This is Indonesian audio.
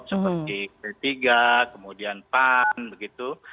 seperti p tiga kemudian pan begitu